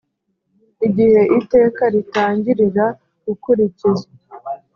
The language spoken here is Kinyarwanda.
igihe iteka ritangirira gukurikizwa